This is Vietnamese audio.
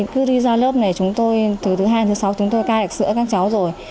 cứ đi ra lớp này thứ hai thứ sáu chúng tôi cay được sữa các cháu rồi